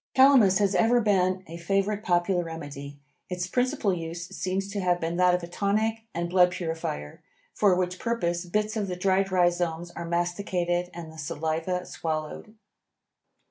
Calamus has ever been a favorite popular remedy. Its principal use seems to have been that of a tonic and blood purifier, for which purpose bits of the dried rhizomes are masticated and the saliva swallowed.